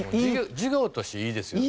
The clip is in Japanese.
授業としていいですよね。